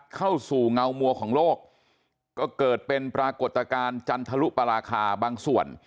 เข้าสู่เงามัวของโลกก็เกิดเป็นปรากฏการณ์จันทรุปราคาบางส่วน